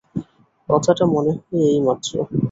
কথাটা মনে হয় এই মাত্র।